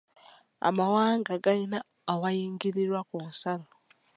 Amawanga gayina awayingirirwa ku nsalo.